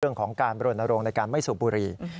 เรื่องของการบรณรงค์ในการไม่สูบบุรี